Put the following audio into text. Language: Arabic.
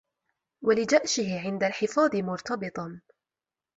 وَلِجَأْشِهِ عِنْدَ الْحِفَاظِ مُرْتَبِطًا